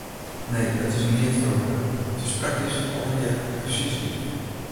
Nee, it is neat feroare, it is praktysk noch allegear persiis gelyk.